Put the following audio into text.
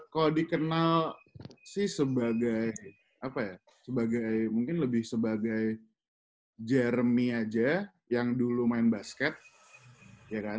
kalo dikenal sih sebagai apa ya mungkin lebih sebagai jeremy aja yang dulu main basket ya kan